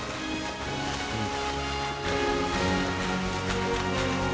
うん。